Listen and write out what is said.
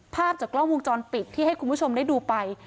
ภาพจากกล้องวงจรปิดที่ให้คุณผู้ชมได้ดูไป